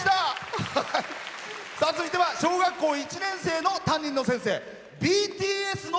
続いては小学校１年生の担任の先生。